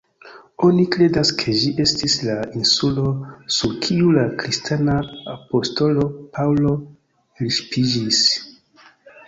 Oni kredas ke ĝi estis la insulo sur kiu la kristana apostolo Paŭlo elŝipiĝis.